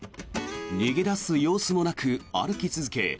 逃げ出す様子もなく歩き続け